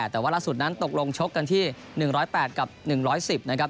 แต่ว่าล่าสุดนั้นตกลงชกกันที่๑๐๘กับ๑๑๐นะครับ